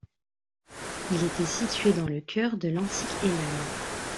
Il était situé dans le cœur de l'antique Élam.